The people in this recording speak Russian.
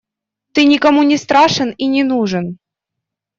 Ты никому не страшен и не нужен.